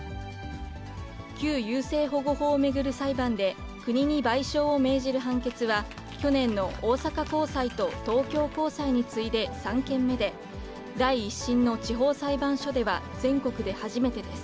旧優生保護法を巡る裁判で、国に賠償を命じる判決は、去年の大阪高裁と東京高裁に次いで３件目で、第１審の地方裁判所では全国で初めてです。